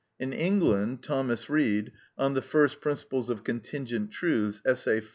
In England Thomas Reid (On the First Principles of Contingent Truths, Essay IV.